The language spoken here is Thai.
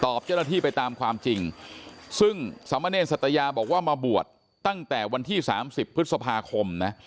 เจ้าหน้าที่ไปตามความจริงซึ่งสมเนรสัตยาบอกว่ามาบวชตั้งแต่วันที่๓๐พฤษภาคมนะ